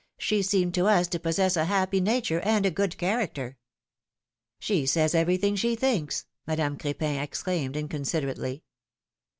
She seemed to us to possess a happy nature and a good character." She says everything she thinks !" Madame Crepin exclaimed, inconsiderately.